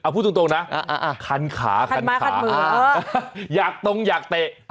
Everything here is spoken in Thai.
พูดตรงนะคันขาคันขาคันม้าคันเหมืออยากตรงอยากเตะ